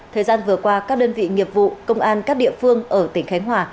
thời gian vừa qua các đơn vị nghiệp vụ công an các địa phương ở tỉnh khánh hòa